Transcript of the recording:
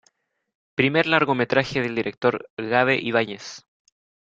Primer largometraje del director Gabe Ibáñez.